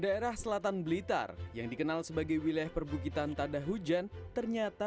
daerah selatan blitar yang dikenal sebagai wilayah perbukitan tada hujan ternyata